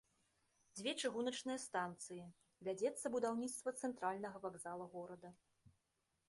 Дзве чыгуначныя станцыі, вядзецца будаўніцтва цэнтральнага вакзала горада.